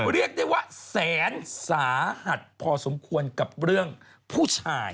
เรียกได้ว่าแสนสาหัสพอสมควรกับเรื่องผู้ชาย